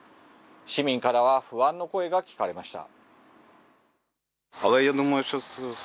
市民からは不安の声が聞かれました。